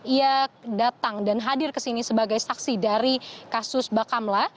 ia datang dan hadir ke sini sebagai saksi dari kasus bakamla